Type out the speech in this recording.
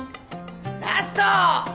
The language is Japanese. ラスト！